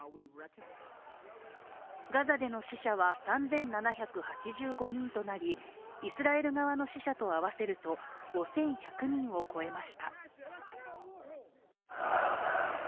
ガザでの死者は３７８５人となり、イスラエル側の死者と合わせると５１００人を超えました。